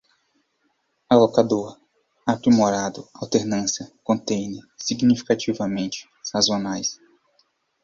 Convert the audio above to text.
alocador, aprimorado, alternância, contêiner, significativamente, sazonais